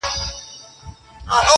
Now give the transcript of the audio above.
له خالي لوښي لوی اواز راوزي.